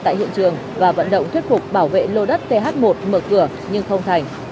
tại hiện trường và vận động thuyết phục bảo vệ lô đất th một mở cửa nhưng không thành